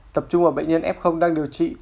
tập trung vào bệnh nhân f đang điều trị